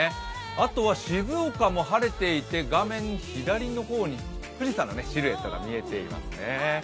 あとは静岡も晴れていて、画面左の方に富士山のシルエットが見えていますね。